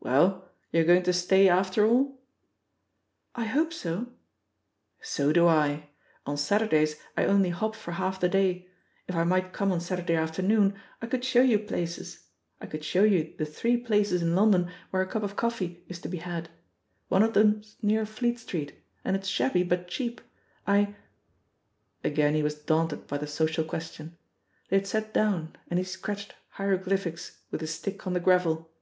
"Well, you're going to stay, after all?" ^'I hope so." So do 1 1 On Saturdays I only hop for half the day; if I might come on Saturday afternoon, I could show you places — ^I could show you the yUE POSITION OF PEGGY HARPER £18 three places in London where a cup of coffee is to be had ; one of them's near Fleet Sia:eet, and it's shabby, but cheap, I " Again he was daunted by the social question. They had sat down, and he scratched hieroglyphics with his stick on the gravel.